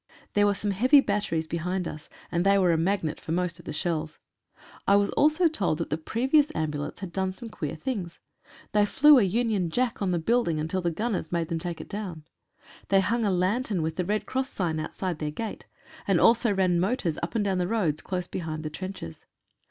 There were some heavy batteries behind us, and they were a magnet for most of the shells. I was also told that the previous ambulance had done some queer things. They flew a Union Jack on the building until the gun ners made them take it down ; they hung a lantern with a red cross sign outside their gate, and also ran motors up and down the roads close behind the trenches.